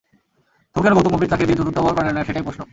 তবু কেন গৌতম গম্ভীর তাঁকে দিয়ে চতুর্থ ওভার করালেন না, সেটাই প্রশ্ন।